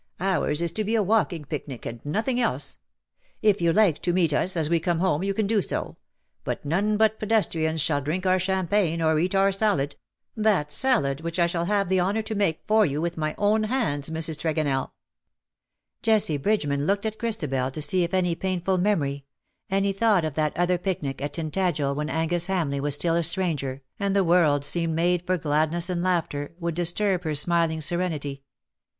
"Ours is to be a walking picnic and nothing else. If you like to meet us as we come home you can do so — but none but pedestrians shall drink our champagne or eat our salad — ^that salad which I shall have the honour to make for you with my own hands, Mrs. TregonelL" Jessie Bridgeman looked at Christabel to see if any painful memory— any thought of that other picnic at Tintagel when Angus Hamleigh was still a stranger, and the world seemed made for gladness and laughter, would disturb her smiling serenity.